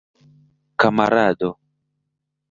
kamarado